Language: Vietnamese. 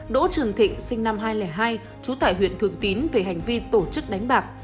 đỗ trường thịnh sinh năm hai nghìn hai trú tại huyện thường tín về hành vi tổ chức đánh bạc